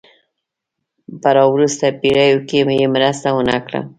په را وروسته پېړیو کې یې مرسته ونه کړه.